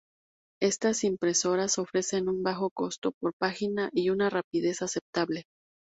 Estas impresoras ofrecen un bajo coste por página, y una rapidez aceptable.